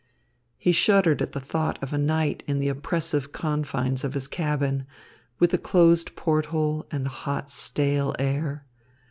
He shuddered at the thought of a night in the oppressive confines of his cabin, with the closed port hole and the hot, stale air.